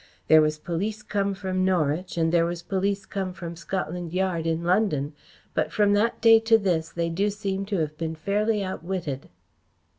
There was police come from Norwich, and there was police come from Scotland Yard in London, but from that day to this they do seem to have been fairly outwitted."